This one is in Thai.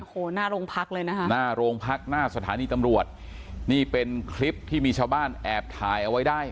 โอ้โหหน้าโรงพักเลยนะคะหน้าโรงพักหน้าสถานีตำรวจนี่เป็นคลิปที่มีชาวบ้านแอบถ่ายเอาไว้ได้